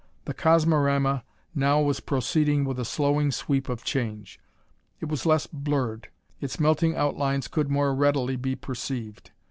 The Cosmorama now was proceeding with a slowing sweep of change. It was less blurred; its melting outlines could more readily be perceived.